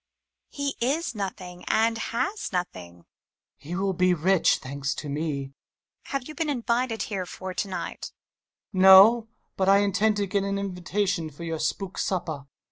He is nothing and has nothing. Hummel. He will be rich, thanks to me. Mummy. Have you been invited for to night? Hummel. No, but I intend to get an invitation for your spook supper.